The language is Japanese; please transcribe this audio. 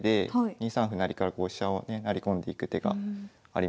２三歩成から飛車をね成り込んでいく手がありますので。